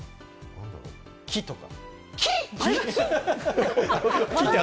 木とか？